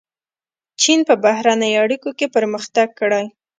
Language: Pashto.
چین په بهرنیو اړیکو کې پرمختګ کړی.